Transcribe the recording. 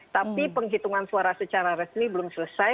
tapi penghitungan suara secara resmi belum selesai